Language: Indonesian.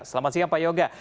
selamat siang pak yoga